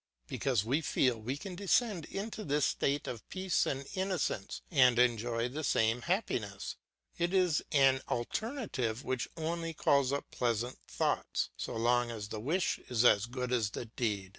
Because we feel we can descend into this state of peace and innocence and enjoy the same happiness; it is an alternative which only calls up pleasant thoughts, so long as the wish is as good as the deed.